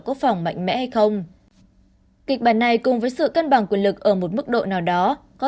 quốc phòng mạnh mẽ hay không kịch bản này cùng với sự cân bằng quyền lực ở một mức độ nào đó có